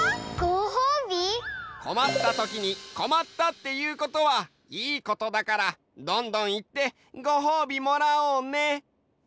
こまったときに「こまった」っていうことはいいことだからどんどんいってごほうびもらおうね！